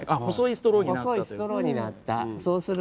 細いストローになったという。